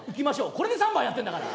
これで３番やってんだから。